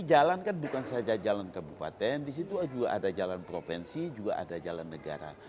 jadi jalan kan bukan saja jalan kabupaten di situ juga ada jalan provinsi juga ada jalan negara